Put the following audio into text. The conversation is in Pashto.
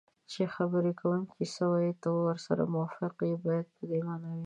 چې خبرې کوونکی څه وایي ته ورسره موافق یې باید په دې مانا وي